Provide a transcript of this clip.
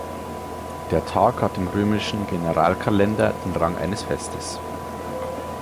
Der Tag hat im römischen Generalkalender den Rang eines Festes.